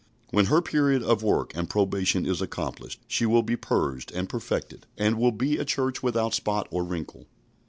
When her period of work and probation is accomplished she will be purged and perfected, and will be a church without spot or wrinkle.